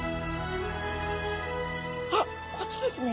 あっこっちですね。